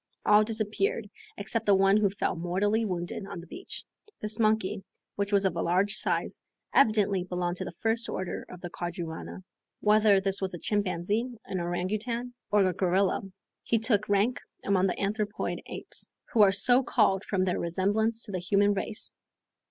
All disappeared, except one who fell mortally wounded on the beach. This monkey, which was of a large size, evidently belonged to the first order of the quadrumana. Whether this was a chimpanzee, an orangoutang, or a gorilla, he took rank among the anthropoid apes, who are so called from their resemblance to the human race.